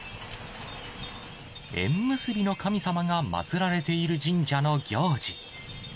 縁結びの神様が祭られている神社の行事。